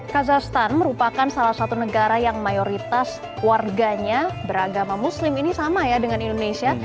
kazahstan merupakan salah satu negara yang mayoritas warganya beragama muslim ini sama ya dengan indonesia